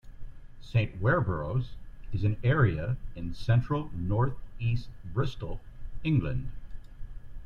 Saint Werburgh's is an area in central north-east Bristol, England.